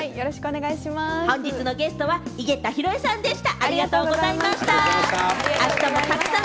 きょうのゲストは井桁弘恵さんでした。